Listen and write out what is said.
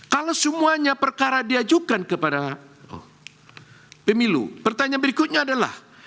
kalau semuanya perkara diajukan kepada pemilu pertanyaan berikutnya adalah